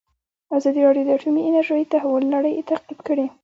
ازادي راډیو د اټومي انرژي د تحول لړۍ تعقیب کړې.